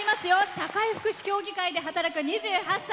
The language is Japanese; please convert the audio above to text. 社会福祉協議会で働く２８歳。